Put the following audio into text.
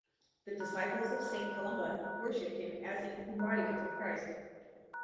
The disciples of St. Columba worshipped him as an embodiment of Christ.